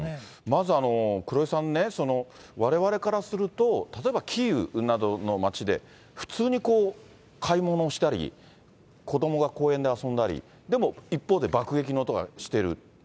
まず黒井さんね、われわれからすると、例えばキーウなどの街で、普通に買い物をしたり、子どもが公園で遊んだり、でも一方で、爆撃の音がしてる。